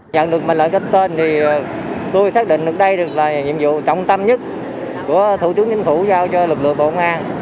nhận được lệnh lệnh cách tên thì tôi xác định được đây là nhiệm vụ trọng tâm nhất của thủ tướng chính phủ giao cho lực lượng bộ công an